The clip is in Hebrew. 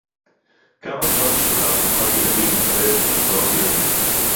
כמה כבר משפחה ברוכת ילדים מקבלת בקצבאות ילדים